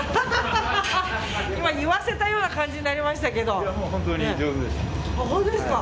今、言わせたような感じになりましたけど。